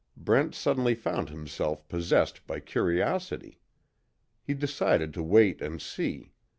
Brent suddenly found himself possessed by curiosity. He decided to wait and see.